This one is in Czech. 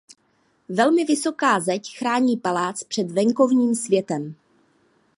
Velmi vysoká zeď chrání palác před venkovním světem.